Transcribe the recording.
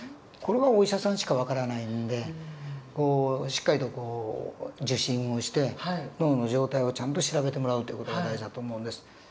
これはお医者さんしか分からないんでしっかりと受診をして脳の状態をちゃんと調べてもらうという事が大事だと思うんです。